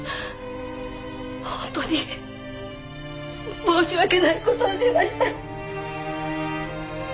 本当に申し訳ない事をしました。